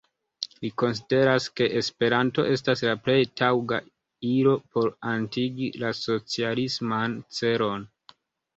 Li konsideras, ke Esperanto estas la plej taŭga ilo por atingi la socialisman celon.